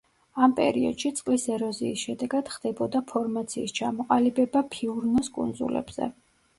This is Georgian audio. ამ პერიოდში წყლის ეროზიის შედეგად ხდებოდა ფორმაციის ჩამოყალიბება ფიურნოს კუნძულებზე.